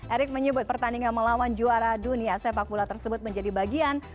erick menyebut pertandingan melawan juara dunia sepak bola tersebut menjadi bagian